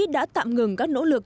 đã tạm ngừng các nỗ lực